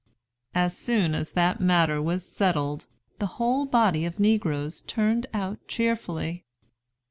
As soon as that matter was settled, the whole body of negroes turned out cheerfully."